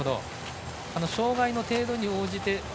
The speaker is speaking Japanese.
障がいの程度に応じて。